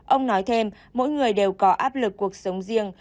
ông nói thêm mỗi người đều có áp lực cuộc sống riêng